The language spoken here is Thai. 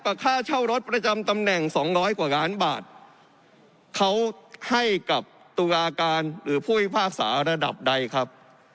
ค่าเช่ารถประจำตำแหน่งสองร้อยกว่าล้านบาทเขาให้กับตุลาการหรือผู้พิพากษาระดับใดครับ